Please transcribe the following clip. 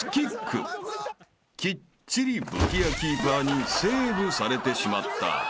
［きっちり武器屋キーパーにセーブされてしまった］